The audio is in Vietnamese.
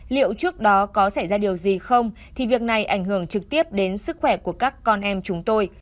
liệu trước đó có xảy ra điều gì không thì việc này ảnh hưởng trực tiếp đến sức khỏe của các con em chúng tôi